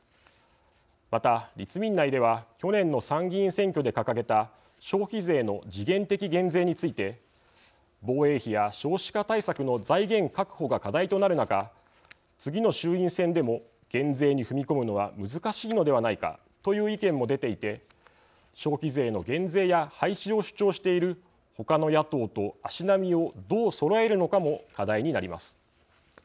また、立民内では去年の参議院選挙で掲げた消費税の時限的減税について防衛費や少子化対策の財源確保が課題となる中、次の衆院選でも減税に踏み込むのは難しいのではないかという意見も出ていて消費税の減税や廃止を主張している他の野党と足並みをどうそろえるのかも課題になります。